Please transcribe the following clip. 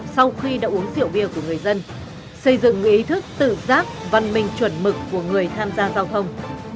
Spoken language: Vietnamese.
sau khi đã uống rượu bia của người dân xây dựng ý thức tự giác văn minh chuẩn mực của người tham gia giao thông